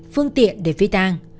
phương tiện để phí tàng